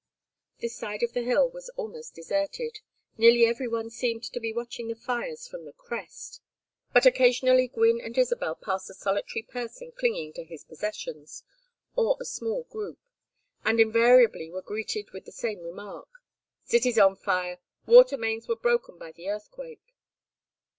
This side of the hill was almost deserted; nearly every one seemed to be watching the fires from the crest; but occasionally Gwynne and Isabel passed a solitary person clinging to his possessions, or a small group; and invariably were greeted with the same remark: "City's on fire. Water mains were broken by the earthquake."